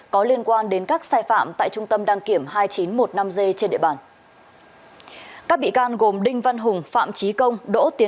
cảm ơn các bạn đã theo dõi